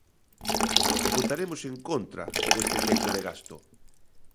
Votaremos en contra deste teito de gasto.